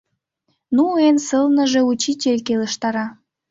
— Ну эн сылныже учитель келыштара.